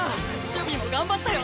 守備も頑張ったよ